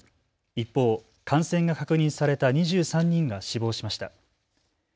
一方、感染が確認された２３人が死亡しました。